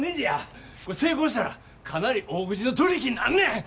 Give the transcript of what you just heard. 成功したらかなり大口の取り引きになんねん。